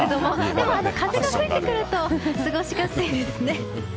でも風が吹いてくると過ごしやすいですね。